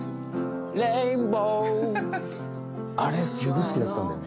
あれすごいすきだったんだよ。